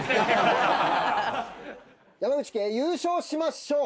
山口家優勝しましょう！